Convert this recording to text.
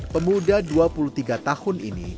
pemuda dua puluh tiga tahun ini